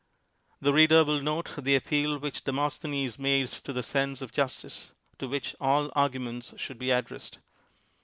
The reader will note the appeal which De mosthenes made to the sense of justice, to which all arguments should be addressed.